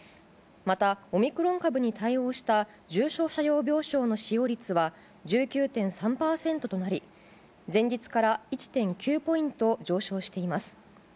また、オミクロン株に対応した重症者用病床の使用率は１９．３％となり前日から１．９ポイント上昇しています。